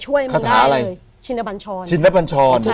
ช่วยมึงได้เลย